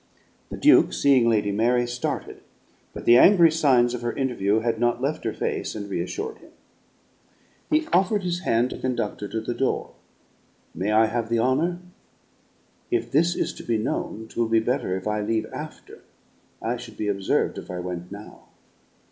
The Duke, seeing Lady Mary, started; but the angry signs of her interview had not left her face, and reassured him. He offered his hand to conduct her to the door. "May I have the honor?" "If this is to be known, 'twill be better if I leave after; I should be observed if I went now."